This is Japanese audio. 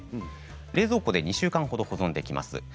冷蔵庫で２週間ほど保存できます。